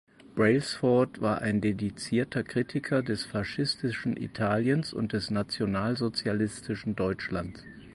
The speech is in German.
Brailsford war ein dezidierter Kritiker des faschistischen Italiens und des nationalsozialistischen Deutschlands.